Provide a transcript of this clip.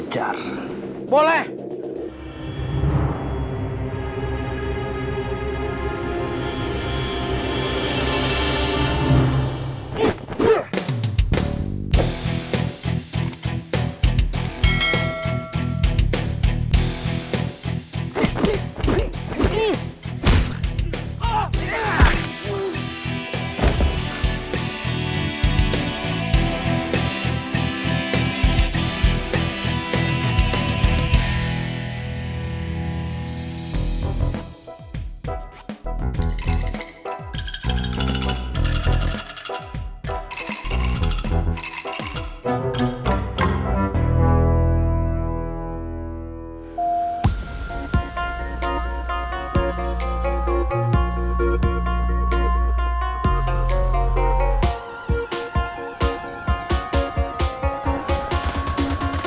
jaring terus jilin